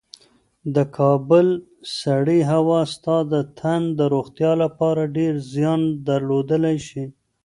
د کابل سړې هوا ستا د تن د روغتیا لپاره ډېر زیان درلودلی شي.